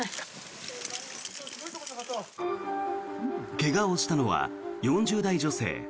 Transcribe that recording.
怪我をしたのは４０代女性。